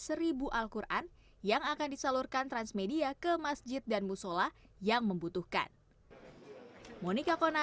seribu al quran yang akan disalurkan transmedia ke masjid dan musola yang membutuhkan